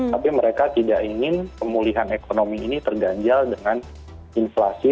tapi mereka tidak ingin pemulihan ekonomi ini terganjal dengan inflasi